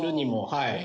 はい」